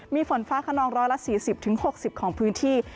มีฝนฟ้าขนอง๑๔๐๖๐ของพื้นที่